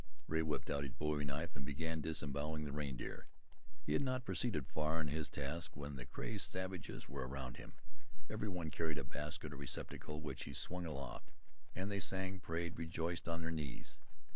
Rea whipped out a bowie knife and began disemboweling the reindeer. He had not proceeded far in his task when the crazed savages were around him. Every one carried a basket or receptacle, which he swung aloft, and they sang, prayed, rejoiced on their knees.